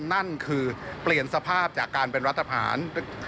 นั่นคือเปลี่ยนสภาพจากการเป็นรัฐภาษณ์